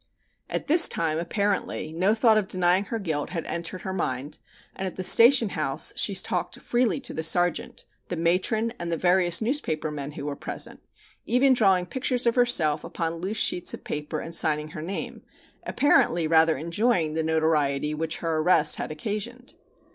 At this time, apparently, no thought of denying her guilt had entered her mind, and at the station house she talked freely to the sergeant, the matron and the various newspaper men who were present, even drawing pictures of herself upon loose sheets of paper and signing her name, apparently rather enjoying the notoriety which her arrest had occasioned.